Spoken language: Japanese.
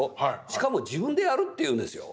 しかも自分でやるっていうんですよ。